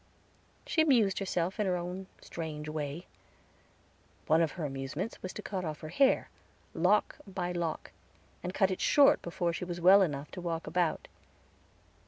She amused herself in her own strange way. One of her amusements was to cut off her hair, lock by lock, and cut it short before she was well enough to walk about.